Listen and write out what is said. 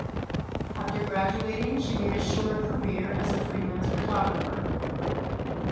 After graduating, she made a short career as a freelance photographer.